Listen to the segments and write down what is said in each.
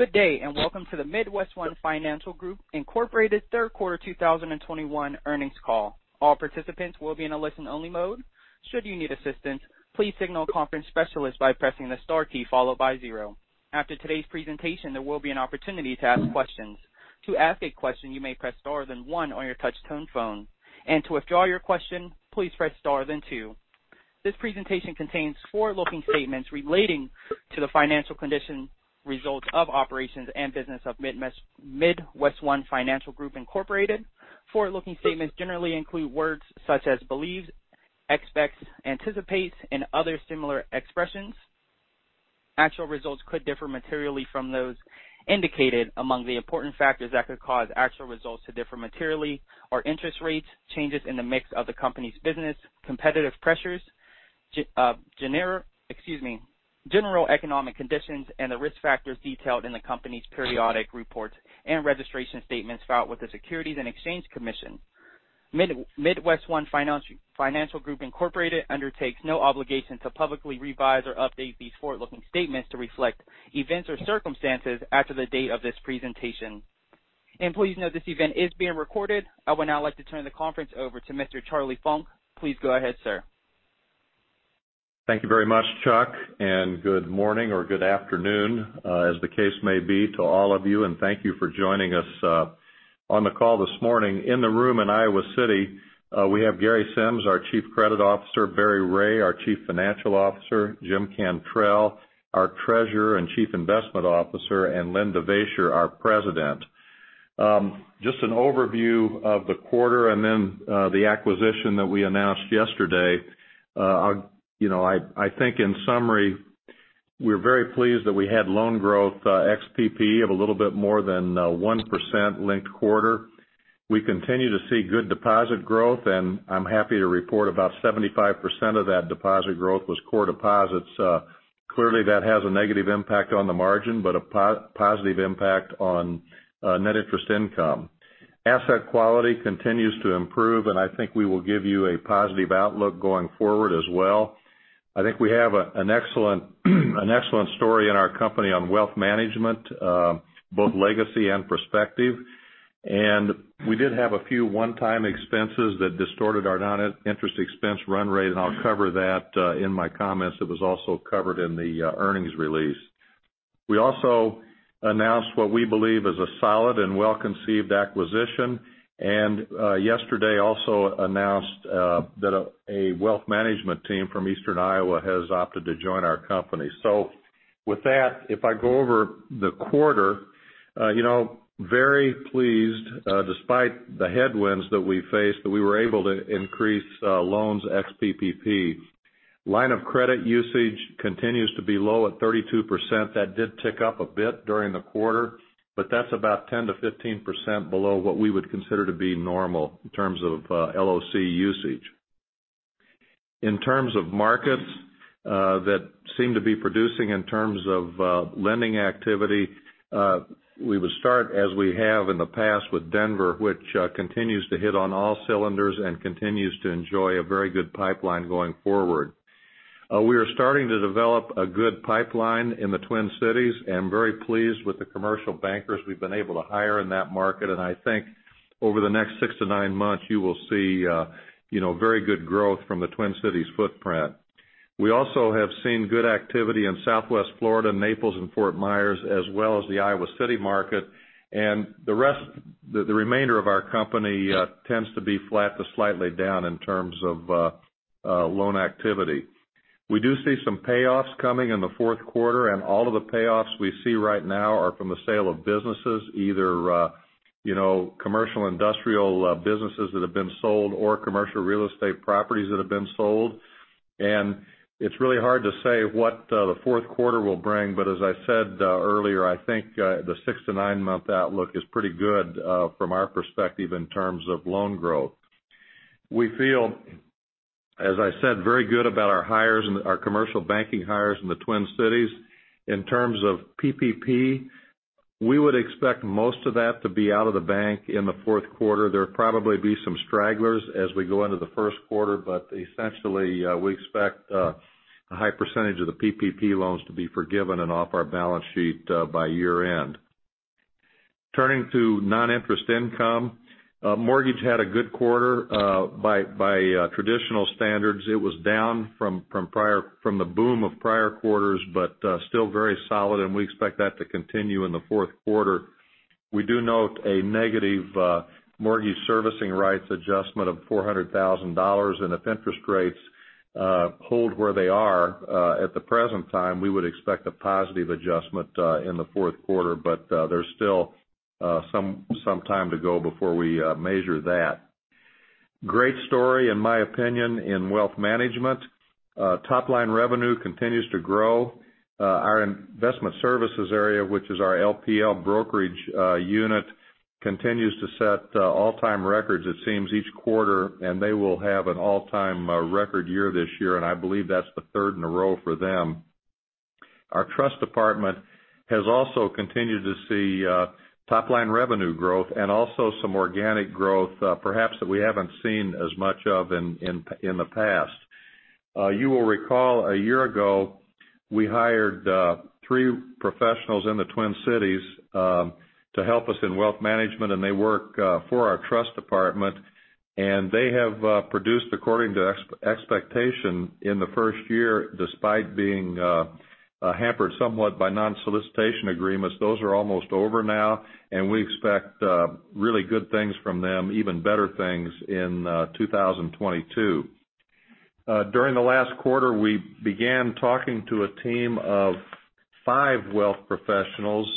Good day, and welcome to the MidWestOne Financial Group, Inc. third quarter 2021 earnings call. All participants will be in a listen-only mode. Should you need assistance, please signal a conference specialist by pressing the star key followed by zero. After today's presentation, there will be an opportunity to ask questions. To ask a question, you may press star then one on your touchtone phone. To withdraw your question, please press star then two. This presentation contains forward-looking statements relating to the financial condition, results of operations, and business of MidWestOne Financial Group, Inc. Forward-looking statements generally include words such as believes, expects, anticipates, and other similar expressions. Actual results could differ materially from those indicated among the important factors that could cause actual results to differ materially or interest rates, changes in the mix of the company's business, competitive pressures, general economic conditions, and the risk factors detailed in the company's periodic reports and registration statements filed with the Securities and Exchange Commission. MidWestOne Financial Group Inc. undertakes no obligation to publicly revise or update these forward-looking statements to reflect events or circumstances after the date of this presentation. Please note this event is being recorded. I would now like to turn the conference over to Mr. Charlie Funk. Please go ahead, sir. Thank you very much, Chuck, and good morning or good afternoon, as the case may be, to all of you, and thank you for joining us on the call this morning. In the room in Iowa City, we have Gary Sims, our Chief Credit Officer, Barry Ray, our Chief Financial Officer, Jim Cantrell, our Treasurer and Chief Investment Officer, and Len Devaisher, our President. Just an overview of the quarter and then the acquisition that we announced yesterday. I think in summary, we're very pleased that we had loan growth ex-PPP of a little bit more than 1% linked quarter. We continue to see good deposit growth, and I'm happy to report about 75% of that deposit growth was core deposits. Clearly, that has a negative impact on the margin, but a positive impact on net interest income. Asset quality continues to improve, and I think we will give you a positive outlook going forward as well. I think we have an excellent story in our company on wealth management, both legacy and prospective. We did have a few one-time expenses that distorted our non-interest expense run rate, and I'll cover that in my comments. It was also covered in the earnings release. We also announced what we believe is a solid and well-conceived acquisition. We also announced yesterday that a wealth management team from Eastern Iowa has opted to join our company. With that, if I go over the quarter, you know, very pleased, despite the headwinds that we faced, that we were able to increase loans ex-PPP. Line of credit usage continues to be low at 32%. That did tick up a bit during the quarter, but that's about 10%-15% below what we would consider to be normal in terms of LOC usage. In terms of markets that seem to be producing in terms of lending activity, we would start as we have in the past with Denver, which continues to hit on all cylinders and continues to enjoy a very good pipeline going forward. We are starting to develop a good pipeline in the Twin Cities. I'm very pleased with the commercial bankers we've been able to hire in that market. I think over the next six to nine months, you will see, you know, very good growth from the Twin Cities footprint. We also have seen good activity in Southwest Florida, Naples and Fort Myers, as well as the Iowa City market. The rest, the remainder of our company, tends to be flat to slightly down in terms of loan activity. We do see some payoffs coming in the fourth quarter, and all of the payoffs we see right now are from the sale of businesses, either, you know, commercial and industrial businesses that have been sold or commercial real estate properties that have been sold. It's really hard to say what the fourth quarter will bring, but as I said earlier, I think the six to nine month outlook is pretty good from our perspective in terms of loan growth. We feel, as I said, very good about our commercial banking hires in the Twin Cities. In terms of PPP, we would expect most of that to be out of the bank in the fourth quarter. There'll probably be some stragglers as we go into the first quarter, but essentially we expect a high percentage of the PPP loans to be forgiven and off our balance sheet by year-end. Turning to non-interest income, mortgage had a good quarter. By traditional standards, it was down from the boom of prior quarters, but still very solid, and we expect that to continue in the fourth quarter. We do note a negative mortgage servicing rights adjustment of $400,000. If interest rates hold where they are at the present time, we would expect a positive adjustment in the fourth quarter. There's still some time to go before we measure that. Great story, in my opinion, in wealth management. Top-line revenue continues to grow. Our investment services area, which is our LPL brokerage unit, continues to set all-time records, it seems, each quarter, and they will have an all-time record year this year, and I believe that's the third in a row for them. Our trust department has also continued to see top-line revenue growth and also some organic growth, perhaps that we haven't seen as much of in the past. You will recall a year ago, we hired three professionals in the Twin Cities to help us in wealth management, and they work for our trust department. They have produced according to expectation in the first year, despite being hampered somewhat by non-solicitation agreements. Those are almost over now, and we expect really good things from them, even better things in 2022. During the last quarter, we began talking to a team of five wealth professionals,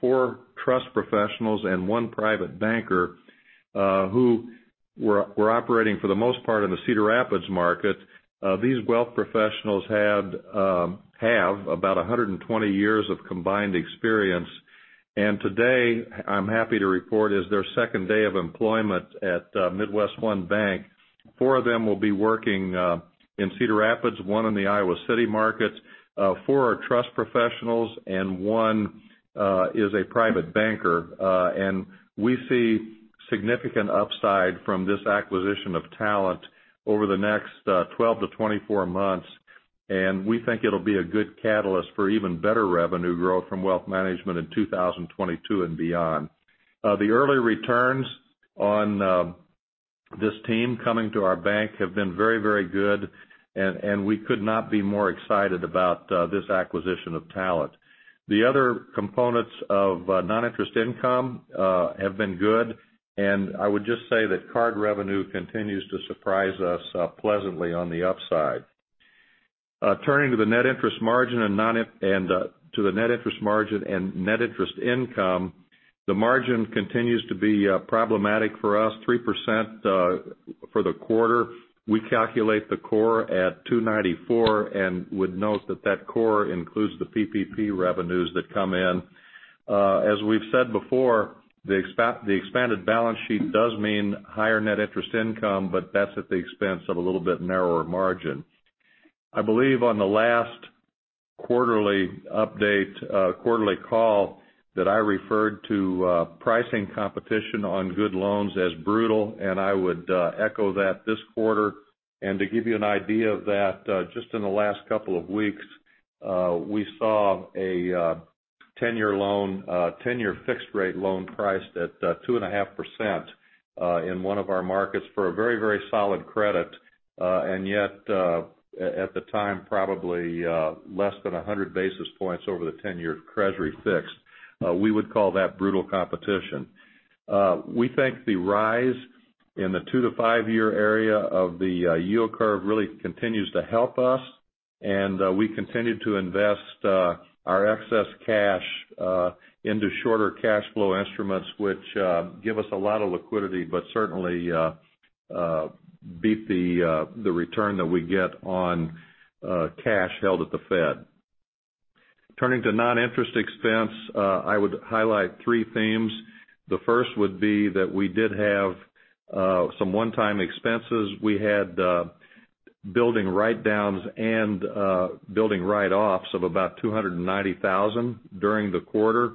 four trust professionals and one private banker, who were operating for the most part in the Cedar Rapids market. These wealth professionals have about 120 years of combined experience. Today, I'm happy to report it's their second day of employment at MidWestOne Bank. Four of them will be working in Cedar Rapids, one in the Iowa City market. Four are trust professionals, and one is a private banker. We see significant upside from this acquisition of talent over the next 12-24 months. We think it'll be a good catalyst for even better revenue growth from wealth management in 2022 and beyond. The early returns on this team coming to our bank have been very, very good, and we could not be more excited about this acquisition of talent. The other components of non-interest income have been good, and I would just say that card revenue continues to surprise us pleasantly on the upside. Turning to the net interest margin and net interest income, the margin continues to be problematic for us, 3% for the quarter. We calculate the core at 2.94% and would note that that core includes the PPP revenues that come in. As we've said before, the expanded balance sheet does mean higher net interest income, but that's at the expense of a little bit narrower margin. I believe on the last quarterly update, quarterly call, that I referred to, pricing competition on good loans as brutal, and I would echo that this quarter. To give you an idea of that, just in the last couple of weeks, we saw a 10-year loan, 10-year fixed rate loan priced at 2.5%, in one of our markets for a very, very solid credit, and yet, at the time, probably less than 100 basis points over the 10-year Treasury fixed. We would call that brutal competition. We think the rise in the two to five-year area of the yield curve really continues to help us. We continue to invest our excess cash into shorter cash flow instruments, which give us a lot of liquidity, but certainly beat the return that we get on cash held at the Fed. Turning to non-interest expense, I would highlight three themes. The first would be that we did have some one-time expenses. We had building write-downs and building write-offs of about $290,000 during the quarter.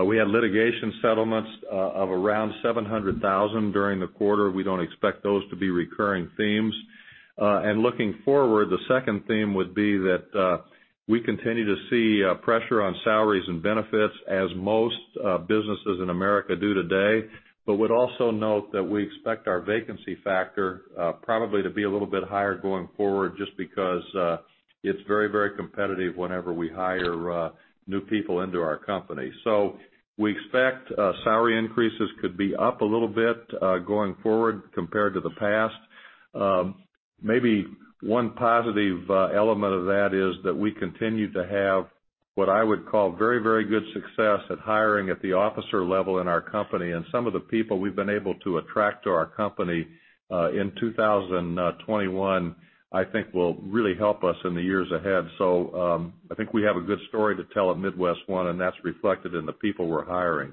We had litigation settlements of around $700,000 during the quarter. We don't expect those to be recurring themes. Looking forward, the second theme would be that we continue to see pressure on salaries and benefits as most businesses in America do today. Would also note that we expect our vacancy factor probably to be a little bit higher going forward just because it's very, very competitive whenever we hire new people into our company. We expect salary increases could be up a little bit going forward compared to the past. Maybe one positive element of that is that we continue to have what I would call very, very good success at hiring at the officer level in our company. Some of the people we've been able to attract to our company in 2021, I think will really help us in the years ahead. I think we have a good story to tell at MidWestOne, and that's reflected in the people we're hiring.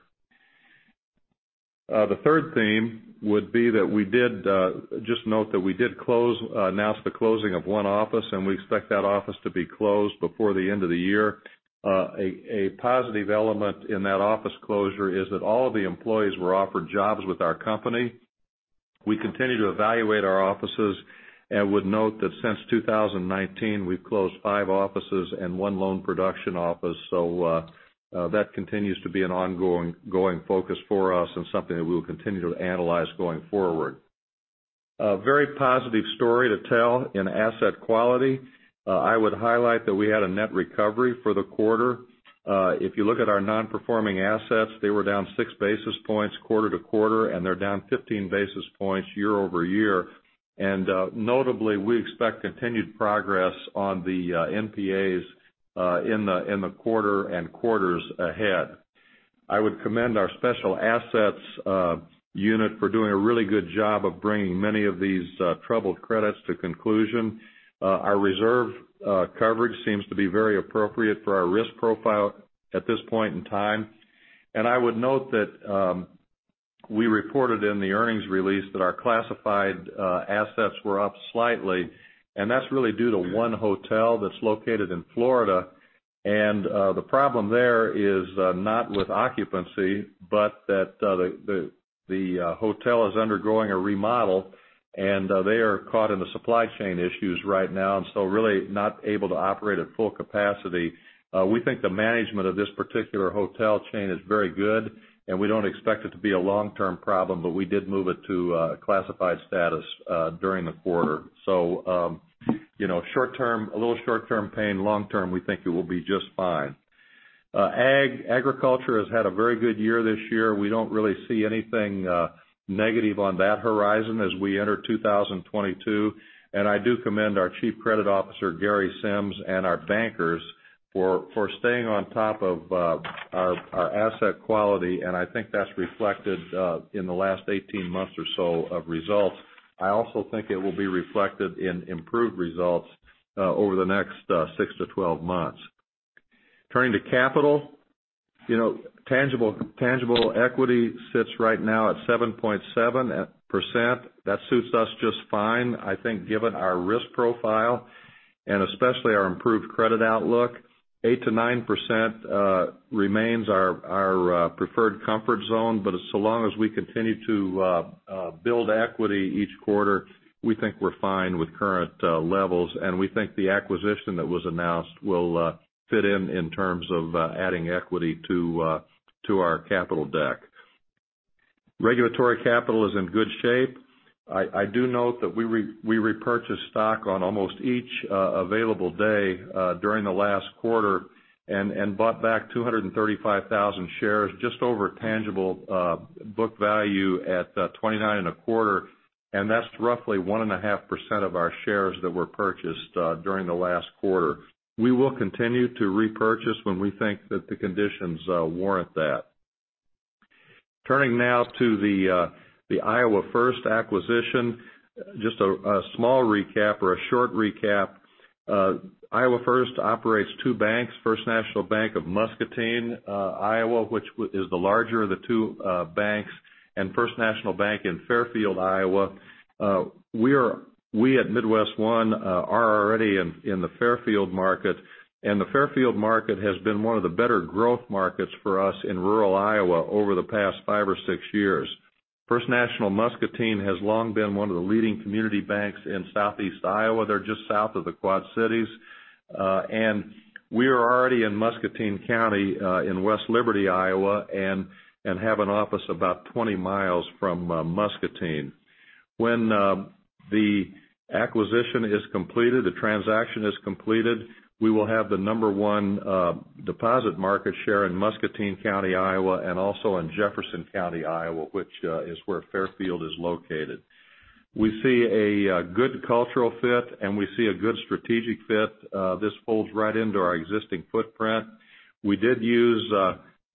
The third theme would be that we just noted that we announced the closing of one office, and we expect that office to be closed before the end of the year. A positive element in that office closure is that all of the employees were offered jobs with our company. We continue to evaluate our offices and would note that since 2019, we've closed five offices and one loan production office. That continues to be an ongoing focus for us and something that we'll continue to analyze going forward. A very positive story to tell in asset quality. I would highlight that we had a net recovery for the quarter. If you look at our Non-Performing Assets, they were down 6 basis points quarter-over-quarter, and they're down 15 basis points year-over-year. Notably, we expect continued progress on the NPAs in the quarter and quarters ahead. I would commend our special assets unit for doing a really good job of bringing many of these troubled credits to conclusion. Our reserve coverage seems to be very appropriate for our risk profile at this point in time. We reported in the earnings release that our classified assets were up slightly, and that's really due to one hotel that's located in Florida. The problem there is not with occupancy, but that the hotel is undergoing a remodel, and they are caught in the supply chain issues right now. Really not able to operate at full capacity. We think the management of this particular hotel chain is very good, and we don't expect it to be a long-term problem, but we did move it to classified status during the quarter. You know, short-term, a little short-term pain, long-term, we think it will be just fine. Ag... Agriculture has had a very good year this year. We don't really see anything negative on that horizon as we enter 2022. I do commend our Chief Credit Officer, Gary Sims, and our bankers for staying on top of our asset quality, and I think that's reflected in the last 18 months or so of results. I also think it will be reflected in improved results over the next six to 12 months. Turning to capital. You know, tangible equity sits right now at 7.7%. That suits us just fine, I think given our risk profile and especially our improved credit outlook. 8%-9% remains our preferred comfort zone. As long as we continue to build equity each quarter, we think we're fine with current levels. We think the acquisition that was announced will fit in terms of adding equity to our capital deck. Regulatory capital is in good shape. I do note that we repurchased stock on almost each available day during the last quarter and bought back 235,000 shares just over tangible book value at $29.25. That's roughly 1.5% of our shares that were purchased during the last quarter. We will continue to repurchase when we think that the conditions warrant that. Turning now to the Iowa First acquisition. Just a small recap or a short recap. Iowa First operates two banks, First National Bank of Muscatine, Iowa, which is the larger of the two banks, and First National Bank in Fairfield, Iowa. We at MidWestOne are already in the Fairfield market. The Fairfield market has been one of the better growth markets for us in rural Iowa over the past five or six years. First National Bank of Muscatine has long been one of the leading community banks in Southeast Iowa. They're just south of the Quad Cities. We are already in Muscatine County in West Liberty, Iowa, and have an office about 20 miles from Muscatine. When the acquisition is completed, the transaction is completed, we will have the number one deposit market share in Muscatine County, Iowa, and also in Jefferson County, Iowa, which is where Fairfield is located. We see a good cultural fit, and we see a good strategic fit. This folds right into our existing footprint. We did use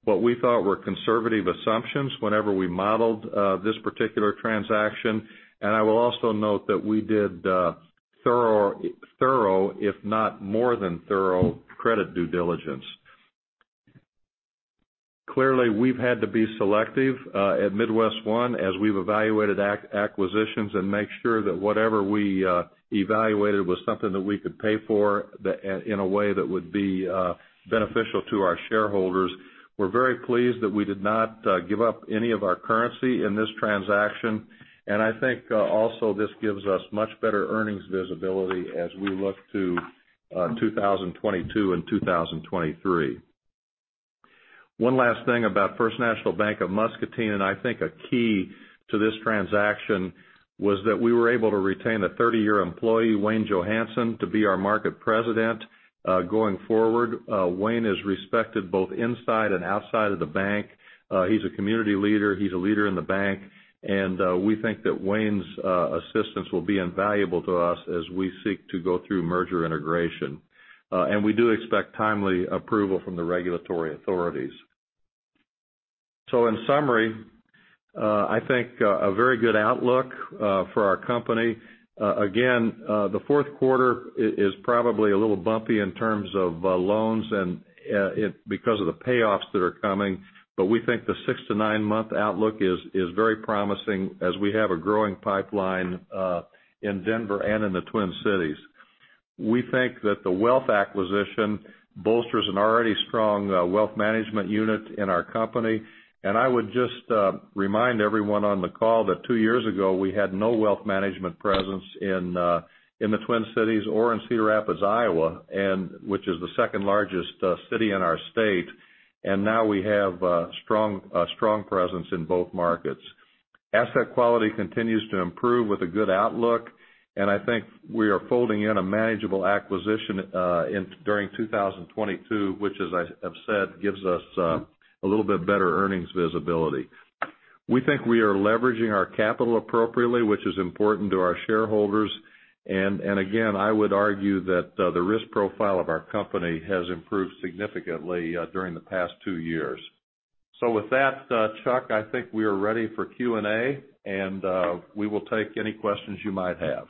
what we thought were conservative assumptions whenever we modeled this particular transaction. I will also note that we did thorough, if not more than thorough, credit due diligence. Clearly, we've had to be selective at MidWestOne as we've evaluated acquisitions and make sure that whatever we evaluated was something that we could pay for in a way that would be beneficial to our shareholders. We're very pleased that we did not give up any of our currency in this transaction. I think also this gives us much better earnings visibility as we look to 2022 and 2023. One last thing about First National Bank of Muscatine, and I think a key to this transaction, was that we were able to retain a 30-year employee, Wayne Johanson, to be our market president going forward. Wayne is respected both inside and outside of the bank. He's a community leader, he's a leader in the bank, and we think that Wayne's assistance will be invaluable to us as we seek to go through merger integration. We do expect timely approval from the regulatory authorities. In summary, I think a very good outlook for our company. Again, the fourth quarter is probably a little bumpy in terms of loans and because of the payoffs that are coming. We think the six to nine-month outlook is very promising as we have a growing pipeline in Denver and in the Twin Cities. We think that the wealth acquisition bolsters an already strong wealth management unit in our company. I would just remind everyone on the call that two years ago, we had no wealth management presence in the Twin Cities or in Cedar Rapids, Iowa, and which is the second largest city in our state. Now we have a strong presence in both markets. Asset quality continues to improve with a good outlook, and I think we are folding in a manageable acquisition during 2022, which as I have said, gives us a little bit better earnings visibility. We think we are leveraging our capital appropriately, which is important to our shareholders. I would argue that the risk profile of our company has improved significantly during the past two years. With that, Chuck, I think we are ready for Q&A, and we will take any questions you might have.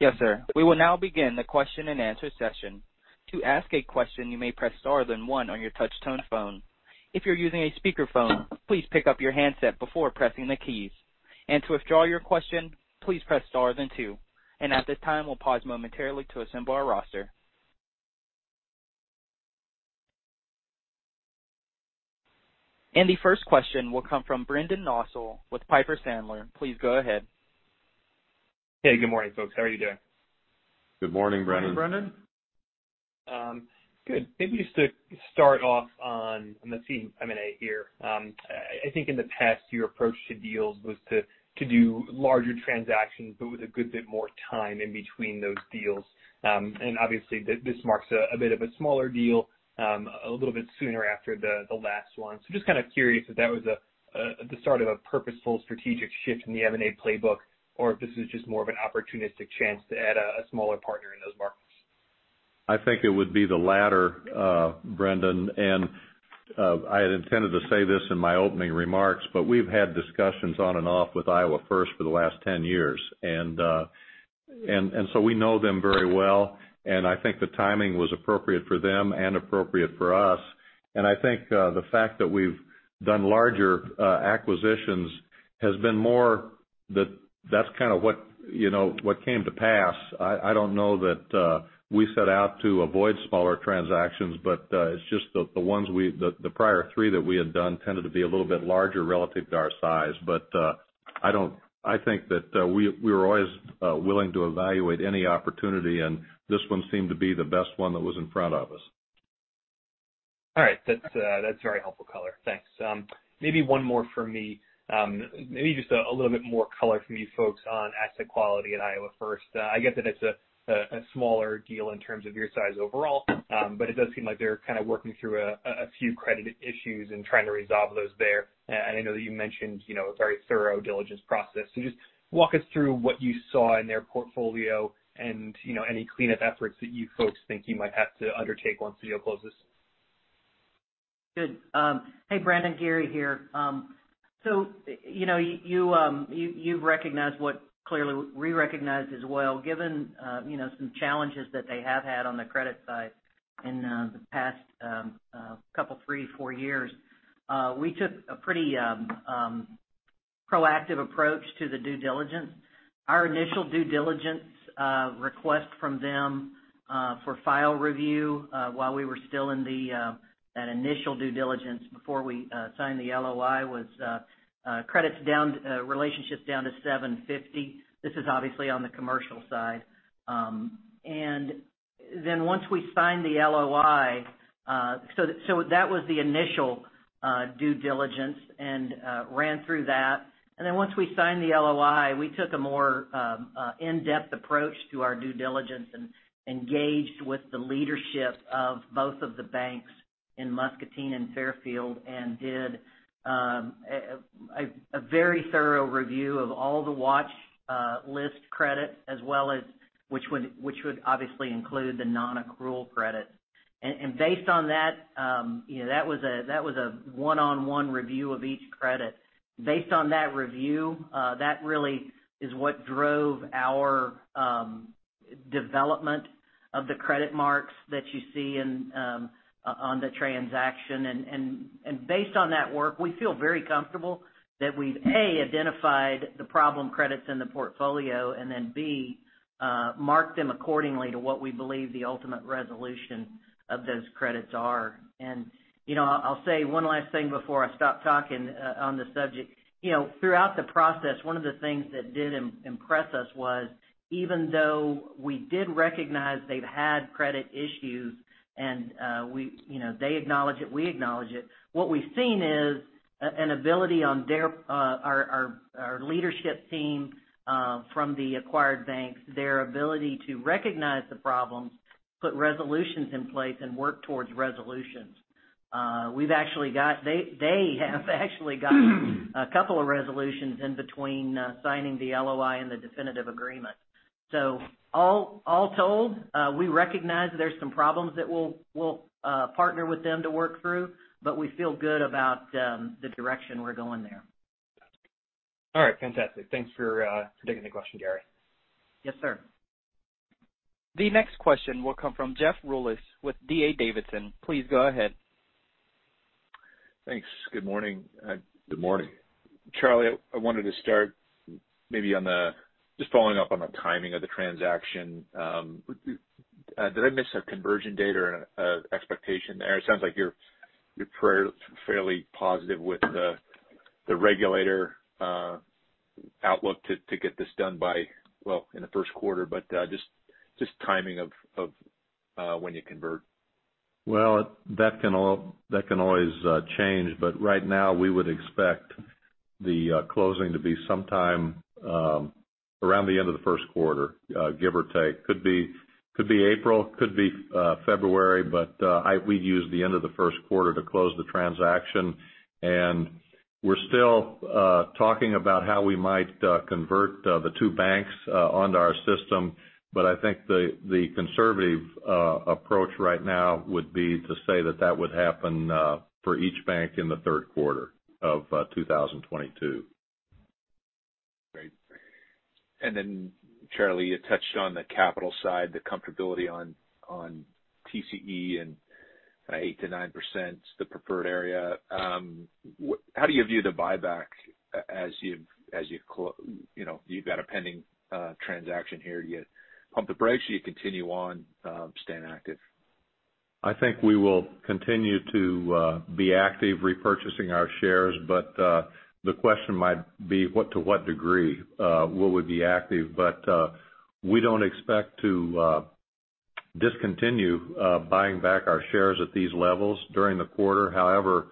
Yes, sir. We will now begin the question and answer session. To ask a question, you may press star then one on your touchtone phone. If you're using a speakerphone, please pick up your handset before pressing the keys. To withdraw your question, please press star then two. At this time, we'll pause momentarily to assemble our roster. The first question will come from Brendan Nosal with Piper Sandler. Please go ahead. Hey, good morning, folks. How are you doing? Good morning, Brendan. Good morning, Brendan. Good. Maybe just to start off on the M&A here. I think in the past, your approach to deals was to do larger transactions, but with a good bit more time in between those deals. Obviously this marks a bit of a smaller deal, a little bit sooner after the last one. Just kind of curious if that was the start of a purposeful strategic shift in the M&A playbook, or if this is just more of an opportunistic chance to add a smaller partner in those markets. I think it would be the latter, Brendan. I had intended to say this in my opening remarks, but we've had discussions on and off with Iowa First for the last 10 years. We know them very well, and I think the timing was appropriate for them and appropriate for us. I think the fact that we've done larger acquisitions has been more that that's kind of what, you know, what came to pass. I don't know that we set out to avoid smaller transactions, but it's just the prior three that we had done tended to be a little bit larger relative to our size. I think that we were always willing to evaluate any opportunity, and this one seemed to be the best one that was in front of us. All right. That's very helpful color. Thanks. Maybe one more from me. Maybe just a little bit more color from you folks on asset quality at Iowa First. I get that it's a smaller deal in terms of your size overall, but it does seem like they're kind of working through a few credit issues and trying to resolve those there. I know that you mentioned, you know, a very thorough diligence process. Just walk us through what you saw in their portfolio and, you know, any cleanup efforts that you folks think you might have to undertake once the deal closes. Good. Hey, Brendan, Gary here. You know, you've recognized what clearly we recognize as well, given you know, some challenges that they have had on the credit side in the past couple, three, four years. We took a pretty proactive approach to the due diligence. Our initial due diligence request from them for file review while we were still in that initial due diligence before we signed the LOI was credits down, relationships down to $750. This is obviously on the commercial side. Then once we signed the LOI, that was the initial due diligence and ran through that. Then once we signed the LOI, we took a more in-depth approach to our due diligence and engaged with the leadership of both of the banks in Muscatine and Fairfield and did a very thorough review of all the watch list credits as well as which would obviously include the non-accrual credits. Based on that, you know, that was a one-on-one review of each credit. Based on that review, that really is what drove our development of the credit marks that you see in on the transaction. Based on that work, we feel very comfortable that we've A), identified the problem credits in the portfolio, and then B), marked them accordingly to what we believe the ultimate resolution of those credits are. You know, I'll say one last thing before I stop talking on this subject. You know, throughout the process, one of the things that did impress us was, even though we did recognize they've had credit issues and, we, you know, they acknowledge it, we acknowledge it, what we've seen is an ability on their, our leadership team from the acquired banks, their ability to recognize the problems, put resolutions in place, and work towards resolutions. We've actually got— They have actually gotten a couple of resolutions in between signing the LOI and the definitive agreement. All told, we recognize there's some problems that we'll partner with them to work through, but we feel good about the direction we're going there. All right. Fantastic. Thanks for taking the question, Gary. Yes, sir. The next question will come from Jeff Rulis with D.A. Davidson. Please go ahead. Thanks. Good morning. Good morning. Charlie, I wanted to start maybe just following up on the timing of the transaction. Did I miss a conversion date or an expectation there? It sounds like you're fairly positive with the regulatory outlook to get this done by, well, in the first quarter. Just timing of when you convert. Well, that can always change. Right now, we would expect the closing to be sometime around the end of the first quarter, give or take. Could be April, could be February. We'd use the end of the first quarter to close the transaction. We're still talking about how we might convert the two banks onto our system. I think the conservative approach right now would be to say that that would happen for each bank in the third quarter of 2022. Great. Then Charlie, you touched on the capital side, the comfortability on TCE and 8%-9%, the preferred area. How do you view the buyback as you've. You know, you've got a pending transaction here. Do you pump the brakes, do you continue on, staying active? I think we will continue to be active repurchasing our shares. The question might be to what degree will we be active? We don't expect to discontinue buying back our shares at these levels during the quarter. However,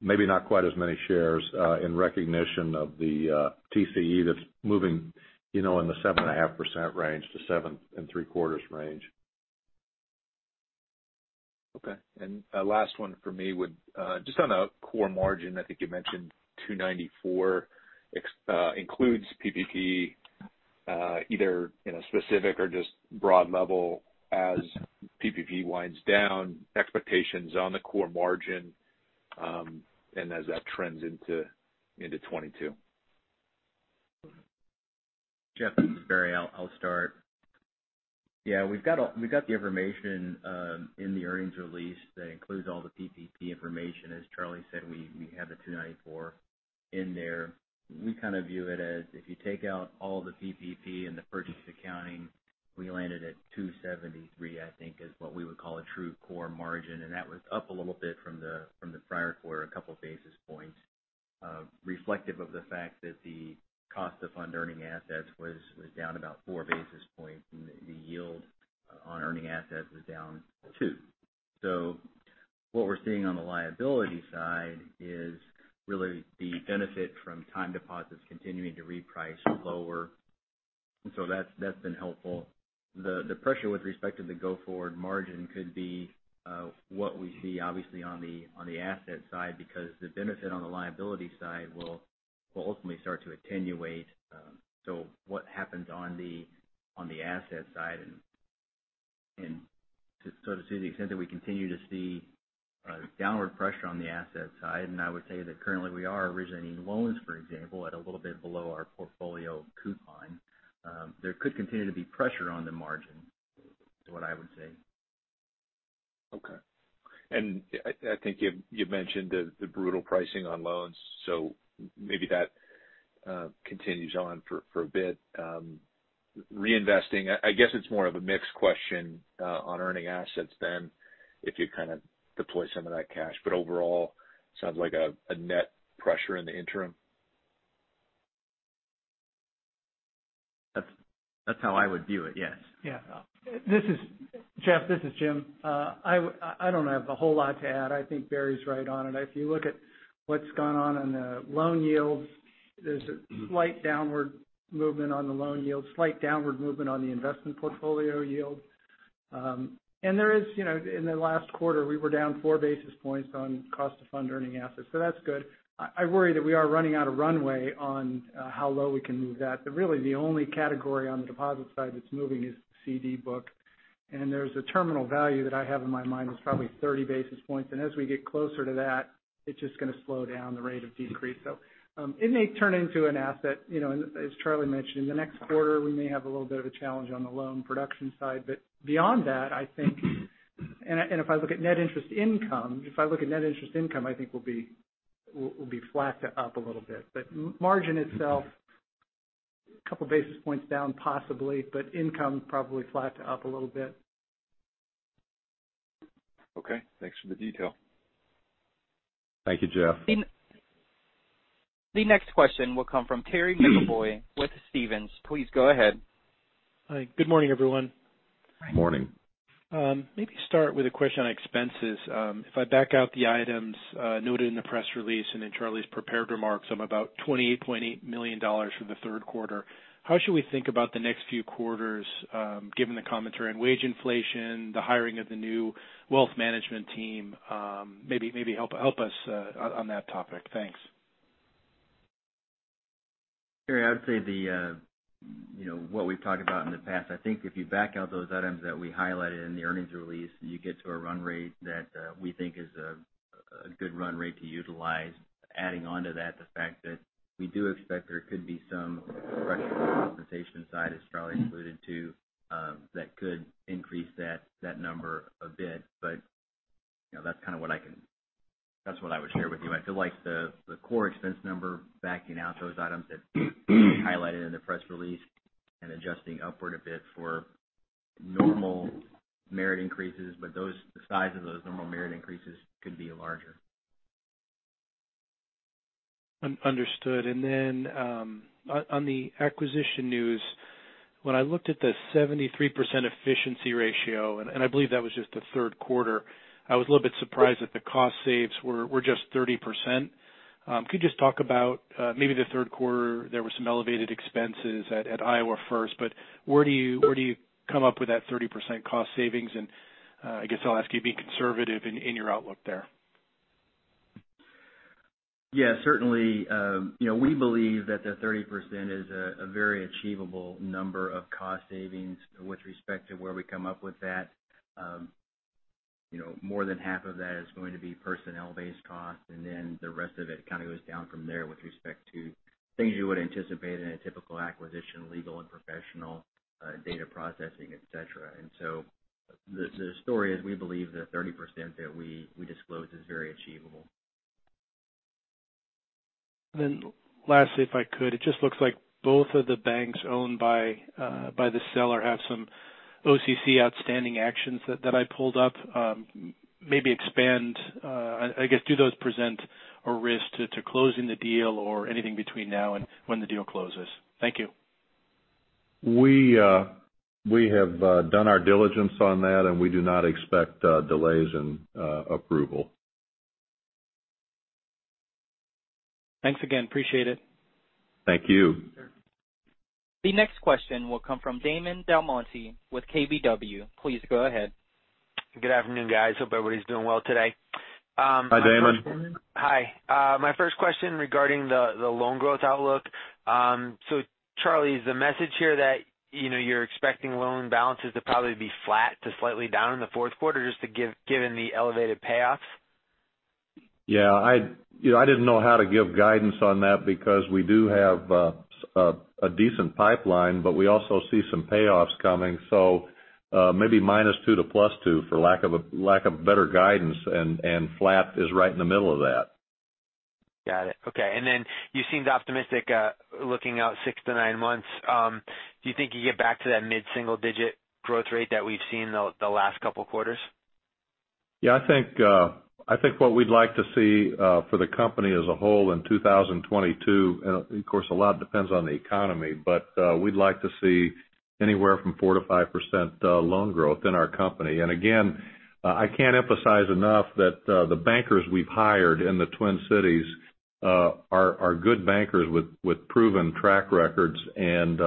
maybe not quite as many shares in recognition of the TCE that's moving, you know, in the 7.5%-7.75% range. Okay. A last one for me would just on the core margin. I think you mentioned 2.94% excluding PPP, either in a specific or just broad level. As PPP winds down, expectations on the core margin, and as that trends into 2022. Jeff, this is Barry. I'll start. Yeah, we've got the information in the earnings release that includes all the PPP information. As Charlie said, we have the 2.94% in there. We kind of view it as if you take out all the PPP and the purchase accounting, we landed at 2.73%, I think, is what we would call a true core margin. That was up a little bit from the prior quarter, a couple of basis points, reflective of the fact that the cost of funds earning assets was down about 4 basis points, and the yield on earning assets was down 2 basis points. What we're seeing on the liability side is really the benefit from time deposits continuing to reprice lower. That's been helpful. The pressure with respect to the go-forward margin could be what we see obviously on the asset side because the benefit on the liability side will ultimately start to attenuate. So what happens on the asset side to the extent that we continue to see downward pressure on the asset side, and I would say that currently we are originating loans, for example, at a little bit below our portfolio coupon. There could continue to be pressure on the margin is what I would say. Okay. I think you've mentioned the brutal pricing on loans. So maybe that continues on for a bit. Reinvesting, I guess it's more of a mixed question on earning assets than if you kind of deploy some of that cash. But overall, sounds like a net pressure in the interim. That's how I would view it, yes. Jeff, this is Jim. I don't have a whole lot to add. I think Barry's right on it. If you look at what's gone on in the loan yields, there's a slight downward movement on the loan yield, slight downward movement on the investment portfolio yield. There is, you know, in the last quarter, we were down 4 basis points on cost of funds earning assets. That's good. I worry that we are running out of runway on how low we can move that. Really the only category on the deposit side that's moving is the CD book. There's a terminal value that I have in my mind is probably 30 basis points. As we get closer to that, it's just going to slow down the rate of decrease. It may turn into an asset. You know, as Charlie mentioned, in the next quarter, we may have a little bit of a challenge on the loan production side. But beyond that, I think, and if I look at net interest income, I think we'll be flat to up a little bit. But margin itself, a couple of basis points down possibly, but income probably flat to up a little bit. Okay. Thanks for the detail. Thank you, Jeff. The next question will come from Terry McEvoy with Stephens. Please go ahead. Hi. Good morning, everyone. Morning. Maybe start with a question on expenses. If I back out the items noted in the press release and in Charlie's prepared remarks, I'm about $28.8 million for the third quarter. How should we think about the next few quarters, given the commentary on wage inflation, the hiring of the new wealth management team? Maybe help us on that topic. Thanks. Terry, I would say the you know what we've talked about in the past. I think if you back out those items that we highlighted in the earnings release, you get to a run rate that we think is a good run rate to utilize. Adding on to that the fact that we do expect there could be some pressure on the compensation side, as Charlie alluded to, that could increase that number a bit. But you know that's kind of what I would share with you. I feel like the core expense number backing out those items that we highlighted in the press release and adjusting upward a bit for normal merit increases, but the size of those normal merit increases could be larger. Understood. On the acquisition news, when I looked at the 73% efficiency ratio, and I believe that was just the third quarter, I was a little bit surprised that the cost savings were just 30%. Could you just talk about maybe the third quarter there were some elevated expenses at Iowa First. Where do you come up with that 30% cost savings? I guess I'll ask you to be conservative in your outlook there. Yeah, certainly. You know, we believe that the 30% is a very achievable number of cost savings. With respect to where we come up with that, you know, more than half of that is going to be personnel-based costs, and then the rest of it kind of goes down from there with respect to things you would anticipate in a typical acquisition, legal and professional, data processing, et cetera. The story is we believe the 30% that we disclosed is very achievable. Lastly, if I could, it just looks like both of the banks owned by the seller have some OCC outstanding actions that I pulled up. Maybe expand, I guess, do those present a risk to closing the deal or anything between now and when the deal closes? Thank you. We have done our diligence on that, and we do not expect delays in approval. Thanks again. Appreciate it. Thank you. The next question will come from Damon DelMonte with KBW. Please go ahead. Good afternoon, guys. Hope everybody's doing well today. Hi, Damon. Hi. My first question regarding the loan growth outlook. Charlie, is the message here that, you know, you're expecting loan balances to probably be flat to slightly down in the fourth quarter just given the elevated payoffs? Yeah, you know, I didn't know how to give guidance on that because we do have a decent pipeline, but we also see some payoffs coming. So, maybe -2 to +2 for lack of a better guidance, and flat is right in the middle of that. Got it. Okay. You seemed optimistic, looking out six to nine months. Do you think you get back to that mid-single digit growth rate that we've seen the last couple of quarters? Yeah, I think what we'd like to see for the company as a whole in 2022, and of course, a lot depends on the economy, but we'd like to see anywhere from 4%-5% loan growth in our company. Again, I can't emphasize enough that the bankers we've hired in the Twin Cities are good bankers with proven track records, and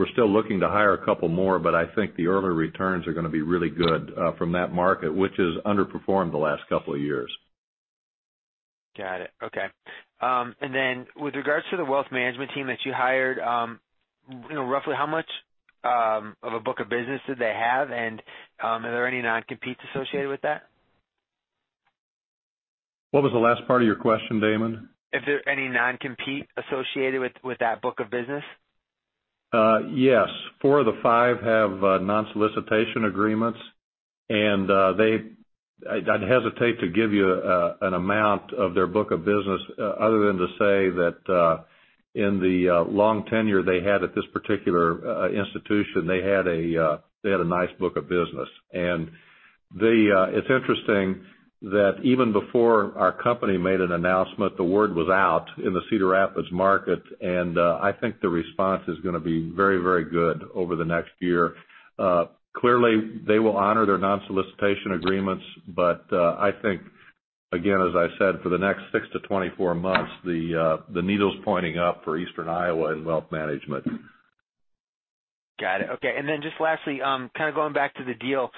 we're still looking to hire a couple more, but I think the early returns are gonna be really good from that market, which has underperformed the last couple of years. Got it. Okay. With regards to the wealth management team that you hired, you know, roughly how much of a book of business did they have? Are there any non-competes associated with that? What was the last part of your question, Damon? Is there any non-compete associated with that book of business? Yes. Four of the five have non-solicitation agreements. I'd hesitate to give you an amount of their book of business other than to say that in the long tenure they had at this particular institution, they had a nice book of business. It's interesting that even before our company made an announcement, the word was out in the Cedar Rapids market, and I think the response is gonna be very, very good over the next year. Clearly, they will honor their non-solicitation agreements, but I think, again, as I said, for the next six to 24 months, the needle's pointing up for Eastern Iowa in wealth management. Got it. Okay. Just lastly, kind of going back to the deal.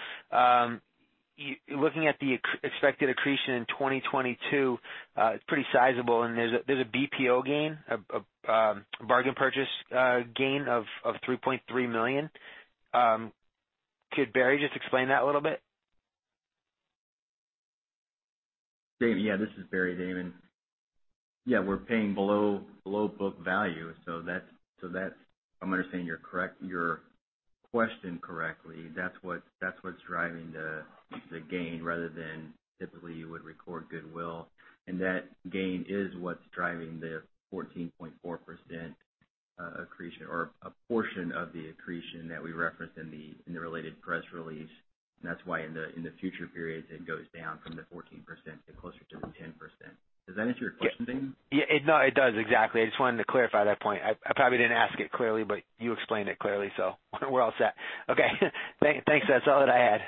Looking at the expected accretion in 2022, it's pretty sizable, and there's a BPO gain, a Bargain Purchase Gain of $3.3 million. Could Barry just explain that a little bit? Damon, yeah, this is Barry, Damon. Yeah, we're paying below book value, so that's. If I'm understanding your question correctly, that's what's driving the gain rather than typically you would record goodwill. That gain is what's driving the 14.4% accretion or a portion of the accretion that we referenced in the related press release. That's why in the future periods, it goes down from the 14% to closer to the 10%. Does that answer your question, Damon? Yeah. Yeah, no, it does. Exactly. I just wanted to clarify that point. I probably didn't ask it clearly, but you explained it clearly, so we're all set. Okay. Thanks. That's all that I had.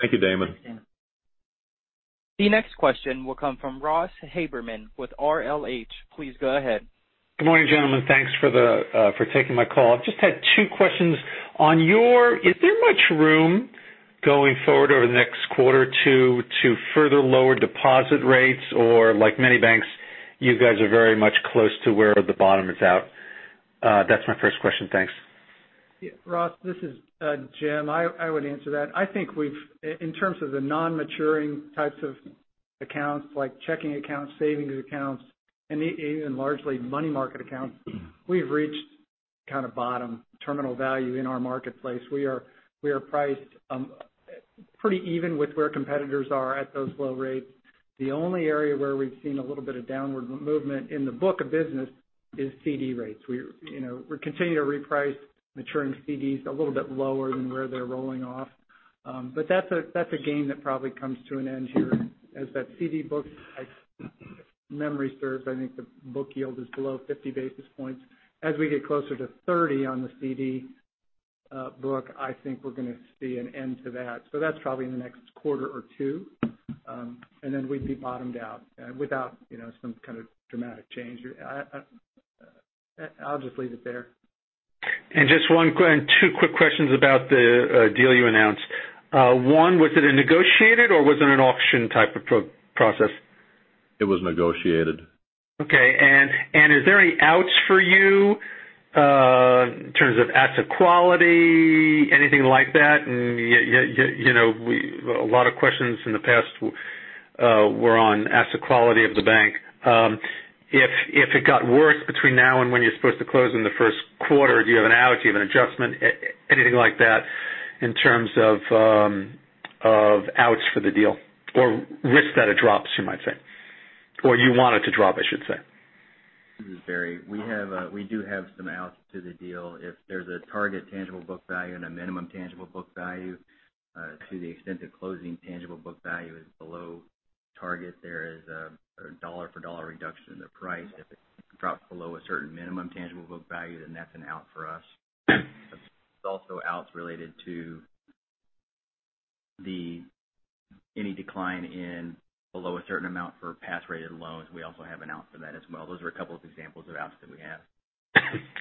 Thank you, Damon. Thanks, Damon. The next question will come from Ross Haberman with RLH. Please go ahead. Good morning, gentlemen. Thanks for taking my call. I just had two questions. Is there much room going forward over the next quarter or two to further lower deposit rates, or like many banks, you guys are very much close to where the bottom is out? That's my first question. Thanks. Yeah, Ross, this is Jim. I would answer that. I think we've in terms of the non-maturing types of accounts, like checking accounts, savings accounts, and even largely money market accounts, we've reached kind of bottom terminal value in our marketplace. We are priced pretty even with where competitors are at those low rates. The only area where we've seen a little bit of downward movement in the book of business is CD rates. You know, we're continuing to reprice maturing CDs a little bit lower than where they're rolling off. That's a game that probably comes to an end here. As that CD book, if memory serves, I think the book yield is below 50 basis points. As we get closer to 30 basis points on the CD book, I think we're gonna see an end to that. That's probably in the next quarter or two. Then we'd be bottomed out, without you know, some kind of dramatic change. I'll just leave it there. Just two quick questions about the deal you announced. One, was it a negotiated or was it an auction-type of process? It was negotiated. Okay. Is there any outs for you in terms of asset quality, anything like that? You know, a lot of questions in the past were on asset quality of the bank. If it got worse between now and when you're supposed to close in the first quarter, do you have an out, do you have an adjustment? Anything like that in terms of outs for the deal or risk that it drops, you might say, or you want it to drop, I should say. This is Barry. We have we do have some outs to the deal. If there's a target tangible book value and a minimum tangible book value, to the extent the closing tangible book value is below target, there is a dollar for dollar reduction in the price. If it drops below a certain minimum tangible book value, then that's an out for us. There's also outs related to any decline below a certain amount for pass-rated loans. We also have an out for that as well. Those are a couple of examples of outs that we have.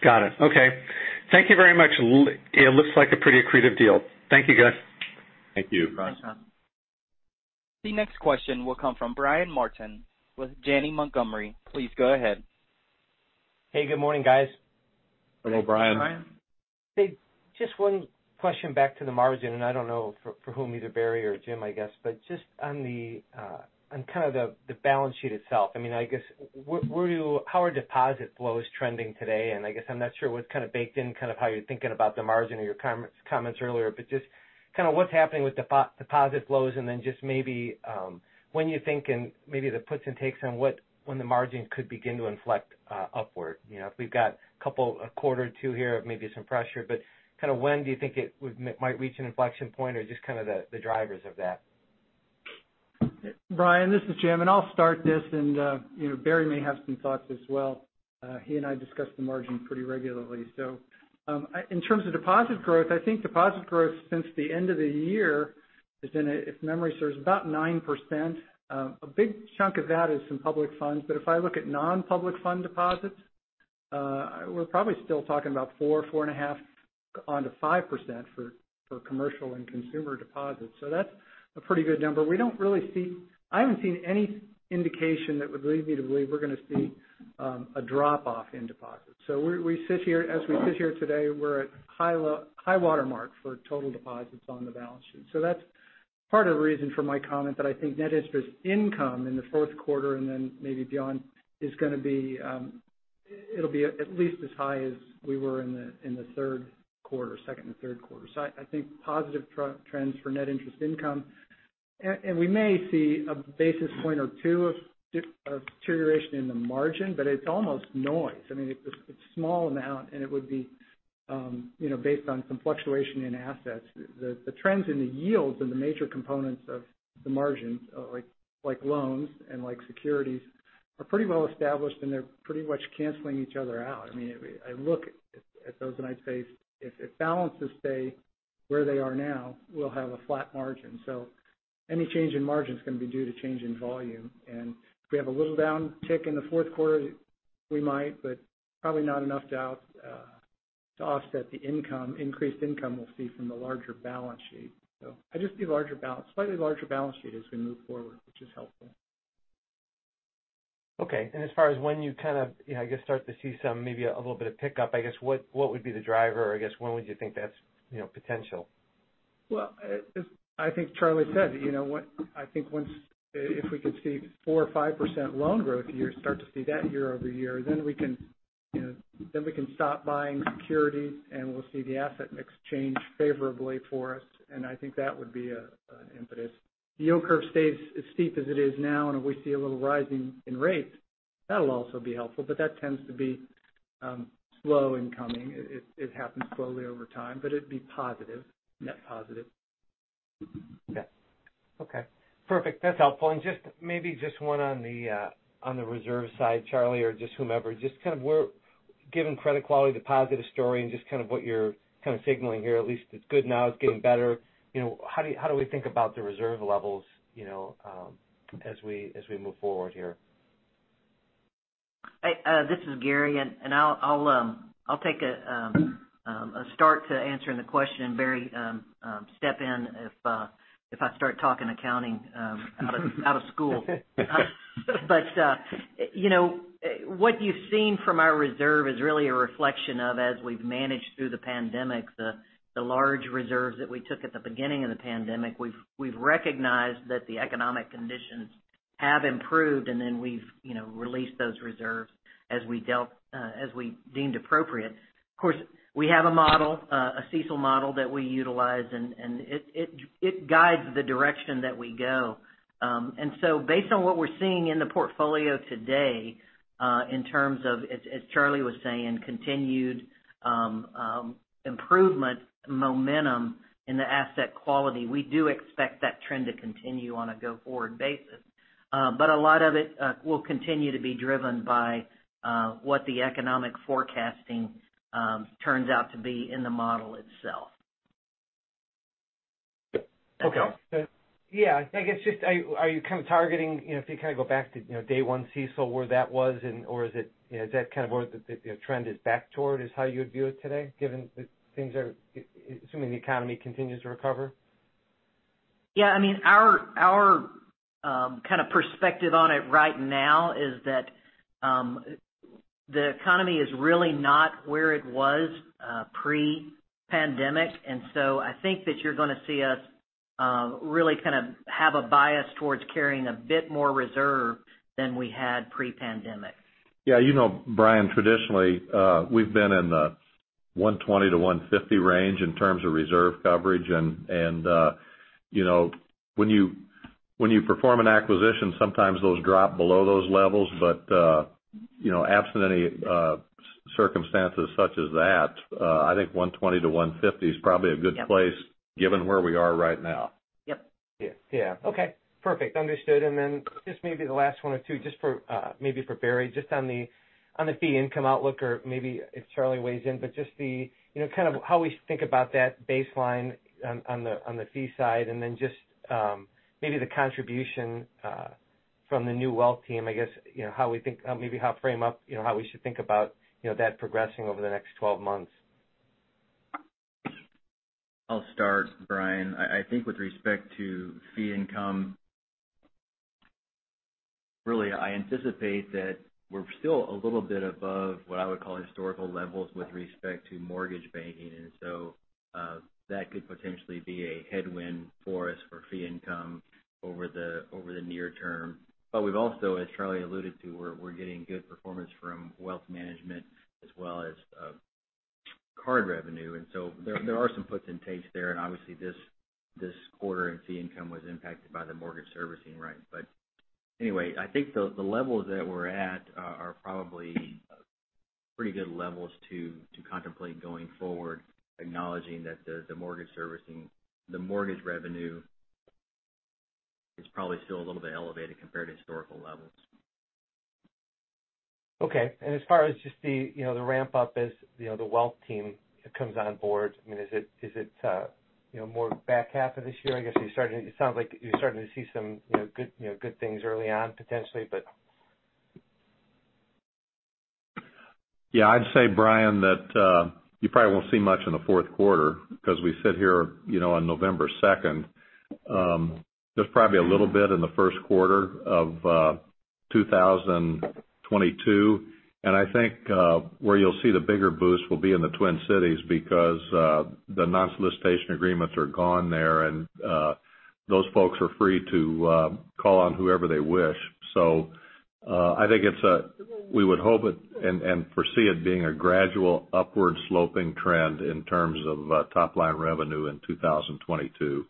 Got it. Okay. Thank you very much. It looks like a pretty accretive deal. Thank you, guys. Thank you. [Thanks, Sean]. The next question will come from Brian Martin with Janney Montgomery Scott. Please go ahead. Hey, good morning, guys. Hello, Brian. Brian. Hey, just one question back to the margin, and I don't know for whom, either Barry or Jim, I guess, but just on the balance sheet itself. I mean, I guess how are deposit flows trending today? I guess I'm not sure what's kind of baked in, kind of how you're thinking about the margin in your comments earlier. Just kind of what's happening with deposit flows, and then just maybe when you think and maybe the puts and takes on when the margin could begin to inflect upward. You know, if we've got a couple a quarter or two here of maybe some pressure. Kind of when do you think it would might reach an inflection point or just kind of the drivers of that? Brian, this is Jim, and I'll start this and you know, Barry may have some thoughts as well. He and I discuss the margin pretty regularly. In terms of deposit growth, I think deposit growth since the end of the year has been, if memory serves, about 9%. A big chunk of that is some public funds. But if I look at non-public fund deposits, we're probably still talking about 4%-4.5% to 5% for commercial and consumer deposits. That's a pretty good number. I haven't seen any indication that would lead me to believe we're gonna see a drop off in deposits. As we sit here today, we're at high watermark for total deposits on the balance sheet. That's part of the reason for my comment that I think net interest income in the fourth quarter and then maybe beyond is gonna be, it'll be at least as high as we were in the third quarter, second and third quarter. I think positive trends for net interest income. We may see a basis point or two of deterioration in the margin, but it's almost noise. I mean, it's a small amount and it would be, you know, based on some fluctuation in assets. The trends in the yields and the major components of the margins, like loans and like securities, are pretty well established, and they're pretty much canceling each other out. I mean, I look at those and I'd say if balances stay where they are now, we'll have a flat margin. Any change in margin is gonna be due to change in volume. If we have a little down tick in the fourth quarter, we might, but probably not enough to offset the income, increased income we'll see from the larger balance sheet. I just see larger balance, slightly larger balance sheet as we move forward, which is helpful. Okay. As far as when you kind of, you know, I guess, start to see some maybe a little bit of pickup, I guess what would be the driver? Or I guess, when would you think that's, you know, potential? Well, as I think Charlie said, you know, if we can see 4% or 5% loan growth year, start to see that year-over-year, then we can stop buying securities and we'll see the asset mix change favorably for us. I think that would be an impetus. The yield curve stays as steep as it is now, and if we see a little rising in rates, that'll also be helpful. That tends to be slow in coming. It happens slowly over time, but it'd be positive, net positive. Yeah. Okay. Perfect. That's helpful. Just maybe one on the reserve side, Charlie, or just whomever. Just kind of where, given credit quality, the positive story, and just kind of what you're kind of signaling here, at least it's good now, it's getting better. You know, how do we think about the reserve levels, you know, as we move forward here? Hey, this is Gary. I'll take a stab at answering the question. Barry, step in if I start talking accounting out of school. You know, what you've seen from our reserve is really a reflection of, as we've managed through the pandemic, the large reserves that we took at the beginning of the pandemic. We've recognized that the economic conditions have improved, and then we've released those reserves as we dealt, as we deemed appropriate. Of course, we have a model, a CECL model that we utilize, and it guides the direction that we go. Based on what we're seeing in the portfolio today, in terms of, as Charlie was saying, continued improvement momentum in the asset quality, we do expect that trend to continue on a go-forward basis. But a lot of it will continue to be driven by what the economic forecasting turns out to be in the model itself. Okay. Yeah. I guess just are you kind of targeting, you know, if you kind of go back to, you know, day one CECL, where that was or is that kind of where the trend is back toward, is how you would view it today given, assuming the economy continues to recover? Yeah, I mean, our kind of perspective on it right now is that, the economy is really not where it was, pre-pandemic. I think that you're gonna see us, really kind of have a bias towards carrying a bit more reserve than we had pre-pandemic. Yeah. You know, Brian, traditionally, we've been in the 120%-150% range in terms of reserve coverage. You know, when you perform an acquisition, sometimes those drop below those levels. You know, absent any circumstances such as that, I think 120%-150% is probably a good place- Yep. Given where we are right now. Yep. Yeah. Yeah. Okay, perfect. Understood. Then just maybe the last one or two, just for maybe for Barry, just on the fee income outlook or maybe if Charlie weighs in, but just the, you know, kind of how we think about that baseline on the fee side and then just maybe the contribution from the new wealth team. I guess, you know, maybe how to frame up, you know, how we should think about, you know, that progressing over the next twelve months. I'll start, Brian. I think with respect to fee income, really I anticipate that we're still a little bit above what I would call historical levels with respect to mortgage banking. That could potentially be a headwind for us for fee income over the near term. We've also, as Charlie alluded to, we're getting good performance from wealth management as well as card revenue. There are some puts and takes there. Obviously this quarter and fee income was impacted by the mortgage servicing, right? Anyway, I think the levels that we're at are probably pretty good levels to contemplate going forward, acknowledging that the mortgage servicing, the mortgage revenue is probably still a little bit elevated compared to historical levels. Okay. As far as just the, you know, the ramp up as, you know, the wealth team comes on board, I mean, is it you know, more back half of this year? It sounds like you're starting to see some, you know, good things early on potentially, but. Yeah, I'd say, Brian, that you probably won't see much in the fourth quarter 'cause we sit here, you know, on November 2nd. There's probably a little bit in the first quarter of 2022. I think where you'll see the bigger boost will be in the Twin Cities because the non-solicitation agreements are gone there, and those folks are free to call on whoever they wish. I think we would hope it and foresee it being a gradual upward sloping trend in terms of top line revenue in 2022.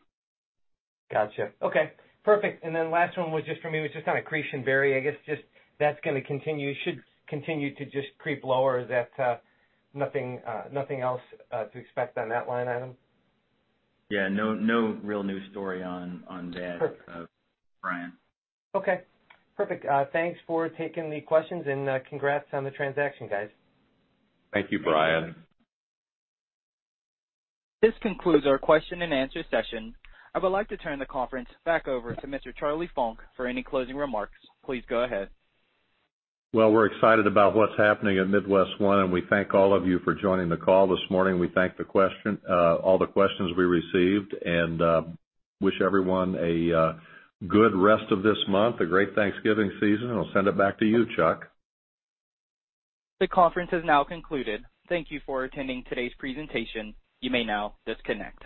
Gotcha. Okay, perfect. Last one was just for me on accretion, Barry. I guess just that's gonna continue, should continue to just creep lower. Is there nothing else to expect on that line item? Yeah, no real new story on that. Perfect. Brian. Okay, perfect. Thanks for taking the questions and congrats on the transaction, guys. Thank you, Brian. This concludes our question-and-answer session. I would like to turn the conference back over to Mr. Charlie Funk for any closing remarks. Please go ahead. Well, we're excited about what's happening at MidWestOne, and we thank all of you for joining the call this morning. We thank all the questions we received and wish everyone a good rest of this month, a great Thanksgiving season, and I'll send it back to you, Chuck. The conference has now concluded. Thank you for attending today's presentation. You may now disconnect.